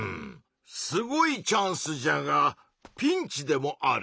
すごいチャンスじゃがピンチでもあるのう。